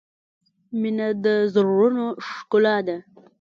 • مینه د زړونو ښکلا ده.